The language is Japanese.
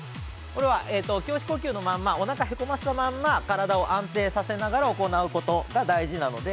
◆これは、胸式呼吸のまんま、おなかをへこましたまんま、体を安定させながら行うことが大事なので。